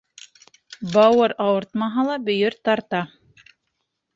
Бауыр ауыртмаһа ла, бөйөр тарта.